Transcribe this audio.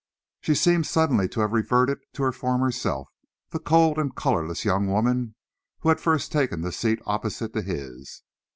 She seemed suddenly to have reverted to her former self the cold and colourless young woman who had first taken the seat opposite to his.